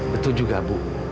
betul juga bu